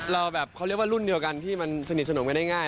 แบบเขาเรียกว่ารุ่นเดียวกันที่มันสนิทสนมกันได้ง่าย